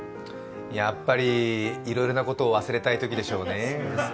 やっぱり、いろいろなことを忘れたいときでしょうね。